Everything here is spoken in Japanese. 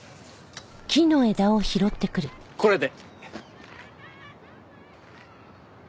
これで。